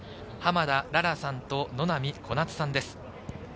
濱田良々さんと、野並小夏さんです。